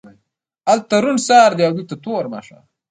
هلته روڼ سهار دی او دلته تور ماښام